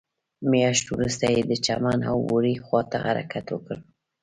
مياشت وروسته يې د چمن او بوري خواته حرکت وکړ.